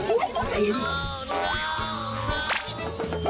โอ้โห